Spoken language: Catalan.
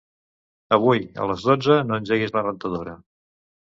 Avui a les dotze no engeguis la rentadora.